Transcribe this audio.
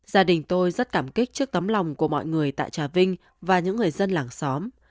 gia đình tôi rất cảm kích trước tấm lòng của mọi người tại trà vinh và những người dân làng xóm